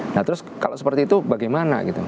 nah terus kalau seperti itu bagaimana gitu